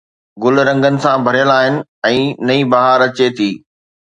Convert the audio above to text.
گل رنگن سان ڀريل آهن ۽ نئين بهار اچي ٿي